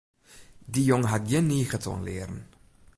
Dy jonge hat gjin niget oan learen.